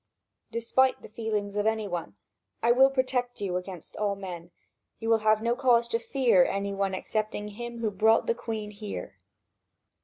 Despite the feelings of any one, I will protect you against all men. You will have no cause to fear any one excepting him who brought the Queen here.